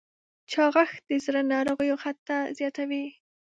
چاغښت د زړه ناروغیو خطر زیاتوي.